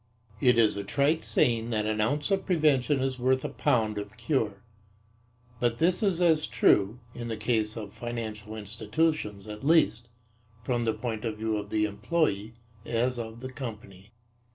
It is a trite saying that an ounce of prevention is worth a pound of cure. But this is as true, in the case of financial institutions at least, from the point of view of the employe as of the company.